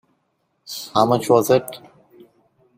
How much was it.